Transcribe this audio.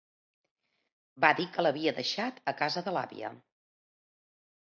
Va dir que l'havia deixat a casa de l'àvia.